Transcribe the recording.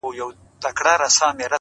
دا ځان کي ورک شې بل وجود ته ساه ورکوي,